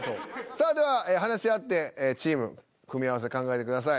さあでは話し合ってチーム組み合わせ考えてください。